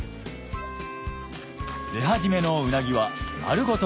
出始めのうなぎは丸ごと